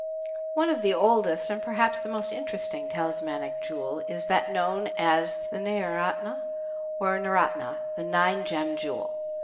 One of the oldest and perhaps the most interesting talismanic jewel is that known as the naoratna or nararatna, the "nine gem" jewel.